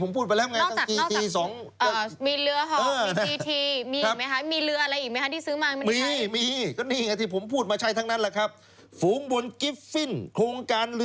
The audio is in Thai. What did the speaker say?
โอ้โหเมื่อกี้ผมพูดไปแล้วไง